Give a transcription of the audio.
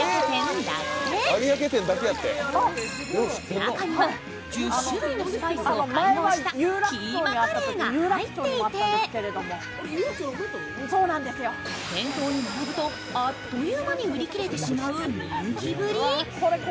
中には１０種類のスパイスを配合したキーマカレーが入っていて、店頭に並ぶとあっという間に売り切れてしまう人気ぶり。